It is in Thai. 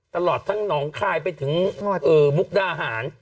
ตลอดทั้งหนองคายไปถึงมุกดาหาร